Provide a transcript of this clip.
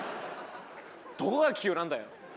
どこが急なんだよ！